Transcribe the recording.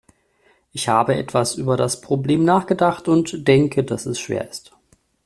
Ich habe etwas über das Problem nachgedacht und denke, dass es schwer ist.